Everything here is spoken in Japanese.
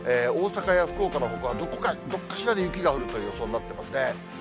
大阪や福岡のほかは、どこかしらで雪が降るという予想になってますね。